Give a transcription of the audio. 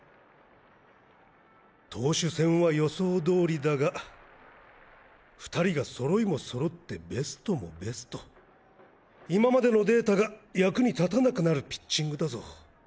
投手戦は予想通りだが２人が揃いも揃ってベストもベスト今までのデータが役に立たなくなるピッチングだぞ。